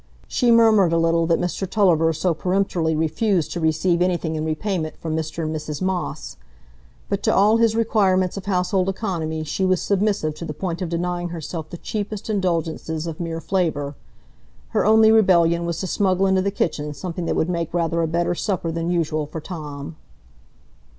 She murmured a little that Mr Tulliver so peremptorily refused to receive anything in repayment from Mr and Mrs Moss; but to all his requirements of household economy she was submissive to the point of denying herself the cheapest indulgences of mere flavour; her only rebellion was to smuggle into the kitchen something that would make rather a better supper than usual for Tom.